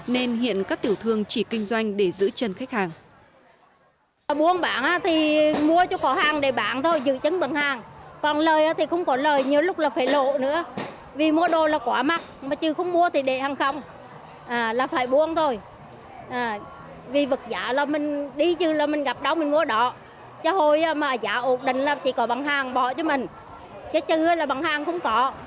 nên hiện các tiểu thương chỉ kinh doanh để giữ chân khách hàng